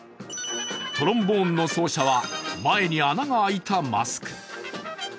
トロンボーンの奏者は、前に穴が開いたマスク。